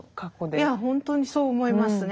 いや本当にそう思いますね。